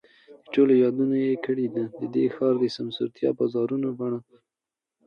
د ټولو یادونه یې کړې ده، د دې ښار د سمسورتیا، بازارونو، بڼونو،